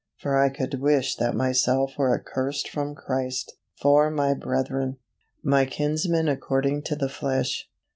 For I could wish that myself were accursed from Christ, for my brethren, my kinsmen according to the flesh."